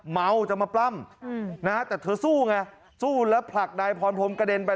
เมาจะมาปล้ำนะฮะแต่เธอสู้ไงสู้แล้วผลักนายพรพรมกระเด็นไป